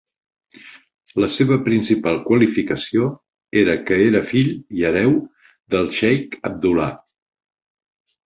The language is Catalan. La seva principal qualificació era que era fill i hereu del xeic Abdullah.